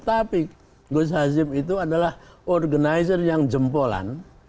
tapi gus hasim itu adalah organizer yang jempolan